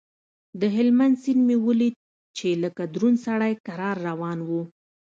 د هلمند سيند مې وليد چې لکه دروند سړى کرار روان و.